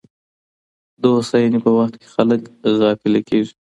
د هوساینې په وخت کي خلګ غافله کیږي.